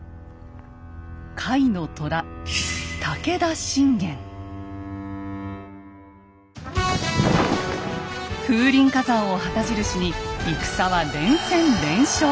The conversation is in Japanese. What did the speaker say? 甲斐の虎「風林火山」を旗印に戦は連戦連勝。